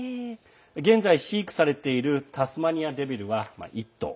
現在、飼育されているタスマニアデビルは１頭。